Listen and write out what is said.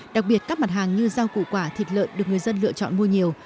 đặc biệt các mặt hàng như rau củ quả thịt lợn được người dân lựa chọn mua nhiều